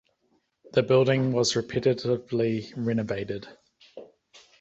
The building was repeatedly renovated.